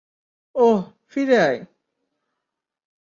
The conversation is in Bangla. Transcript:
ওহ, ফিরে আয়।